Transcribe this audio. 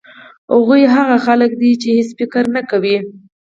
هغوی هغه خلک دي چې هېڅ فکر نه کوي.